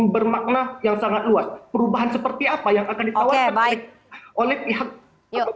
bermakna yang sangat luas perubahan seperti apa yang akan ditawarkan oleh pihak atau